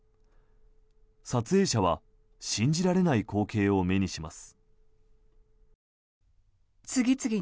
撮影者は信じられない光景を目にします。